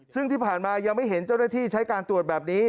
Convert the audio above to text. ซึ่งที่ผ่านมายังไม่เห็นเจ้าหน้าที่ใช้การตรวจแบบนี้